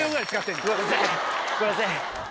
すいません。